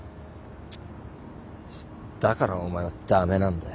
だからお前は駄目なんだよ。